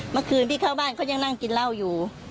เมื่อคืนที่เข้าบ้านเขายังนั่งกินเหล้าอยู่